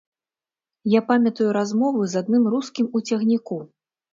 Я памятаю размову з адным рускім у цягніку.